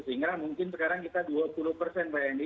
sehingga mungkin sekarang kita dua puluh pak yandi